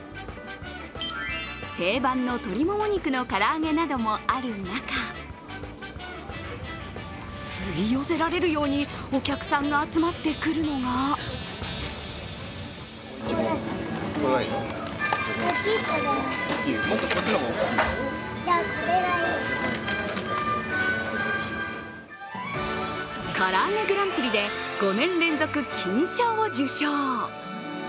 定番の鶏もも肉の唐揚げなどもある中吸い寄せられるようにお客さんが集まってくるのがからあげグランプリで５年連続金賞を受賞。